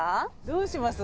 どうします？